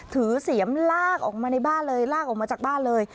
เสียมลากออกมาในบ้านเลยลากออกมาจากบ้านเลย